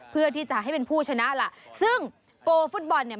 เพื่อที่จะให้เป็นผู้ชนะล่ะซึ่งโกฟุตบอลเนี่ย